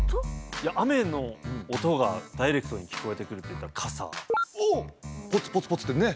いや雨の音がダイレクトに聞こえてくるっていったら傘おっポツポツポツってね